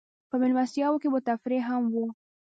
په مېلمستیاوو کې به تفریح هم وه.